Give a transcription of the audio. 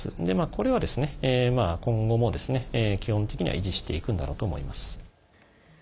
これは今後も基本的には維持していくんだろうと思います。